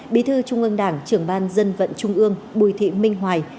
bí thư trung ương đảng trưởng ban dân vận trung ương bùi thị minh hoài